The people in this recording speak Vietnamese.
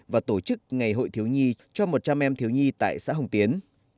và tổ chức ngày hội thiếu nhi cho một trăm linh em thiếu nhi tại xã hồng tiến